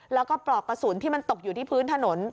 แล้วก็ปลอกกระสุนที่มันตกอยู่ที่พื้นถนน